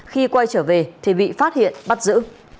khi quay trở về thì bị phát hiện bắt giữ